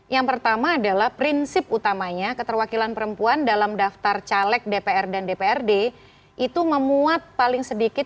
yang pertama adalah prinsip utamanya keterwakilan perempuan dalam daftar caleg dpr dan dprd itu memuat paling sedikit